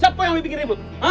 siapa yang lebih bikin ribut